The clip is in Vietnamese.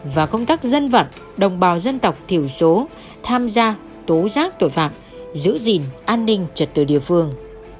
và công tác dân vật đồng bào dân tộc tiểu số tham gia tố giác tội phạm giữ gìn an ninh trật tựa địa phương